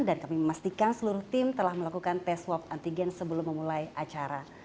dan kami memastikan seluruh tim telah melakukan tes swab antigen sebelum memulai acara